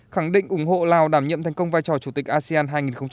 khẳng định ủng hộ lào đảm nhiệm thành công vai trò chủ tịch asean hai nghìn hai mươi